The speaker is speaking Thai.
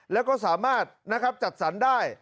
แล้วก็สามารถนะครับจัดสรรได้